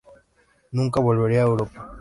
Nunca volvería a Europa.